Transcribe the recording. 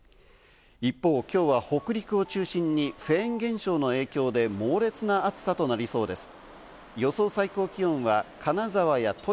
一方、今日は北陸を中心にフェーン現象の影響で、猛烈な暑さとなりそうです。